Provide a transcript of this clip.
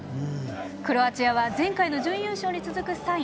クロアチアは前回の準優勝に続く３位。